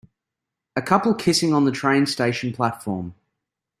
A couple kissing on the train station platform.